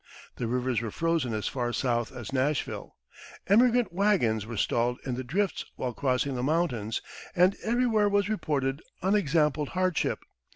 The rivers were frozen as far south as Nashville; emigrant wagons were stalled in the drifts while crossing the mountains, and everywhere was reported unexampled hardship.